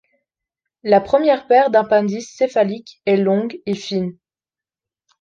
La première paire d'appendices céphaliques est longue et fine.